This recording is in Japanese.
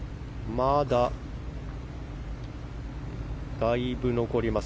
まだ、だいぶ残ります。